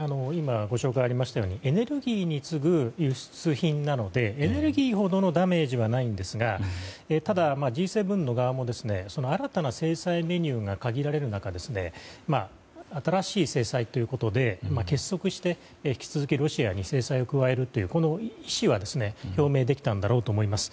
ご紹介がありましたようにエネルギーに次ぐ輸出品なのでエネルギーほどのダメージはありませんがＧ７の側も新たな制裁メニューが限られる中で新しい制裁ということで結束して引き続きロシアに制裁を加えるという意思は表明できたと思います。